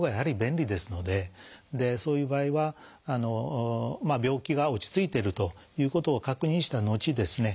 そういう場合は病気が落ち着いてるということを確認した後ですね